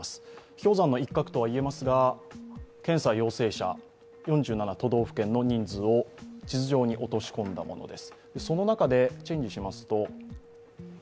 氷山の一角とはいえますが、検査陽性者、４７都道府県の人数を地図上に落とし込んだものです。